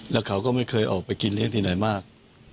แล้วเขาก็ไม่เคยออกไปกินเลี้ยงที่ไหนมาก